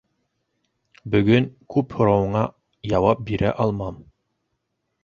Бөгөнгә күп һорауыңа яуап бирә алмам.